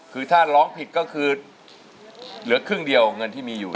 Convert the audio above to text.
คือถ้าร้องผิดก็คือเหลือครึ่งเดียวเงินที่มีอยู่